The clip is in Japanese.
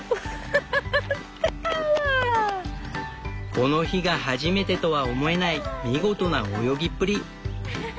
この日が初めてとは思えない見事な泳ぎっぷり。